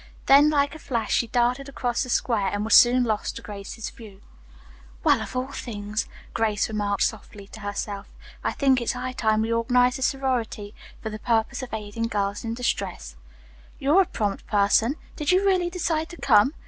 Then, like a flash, she darted across the square and was soon lost to Grace's view. "Well, of all things!" Grace remarked softly to herself. "I think it's high time we organized a sorority for the purpose of aiding girls in distress." "You're a prompt person. Did you really decide to come?"